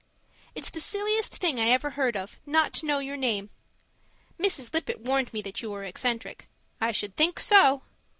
It's the silliest thing I ever heard of, not to know your name. Mrs. Lippett warned me that you were eccentric. I should think so!